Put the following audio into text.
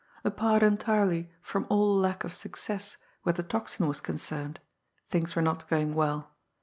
Apart entirely from all lack of success where the Tocsin was concerned, things were not going well.